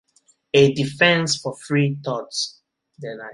A defense for free thoughts.